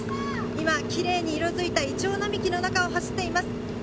今、キレイに色づいたイチョウ並木の中を走っています。